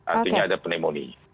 artinya ada pneumonia